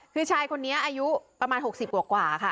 คือชายคนนี้อายุประมาณ๖๐กว่าค่ะ